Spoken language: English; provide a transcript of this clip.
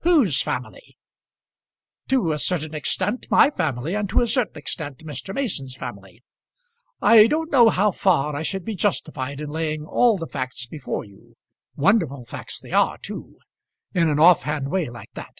"Whose family?" "To a certain extent my family, and to a certain extent Mr. Mason's family. I don't know how far I should be justified in laying all the facts before you wonderful facts they are too in an off hand way like that.